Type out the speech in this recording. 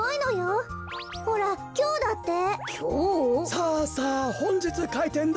さあさあほんじつかいてんだよ。